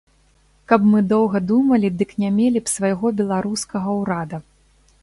Каб мы доўга думалі, дык не мелі б свайго беларускага ўрада.